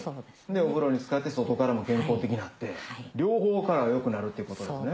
お風呂につかって外からも健康的になって両方から良くなるってことですね。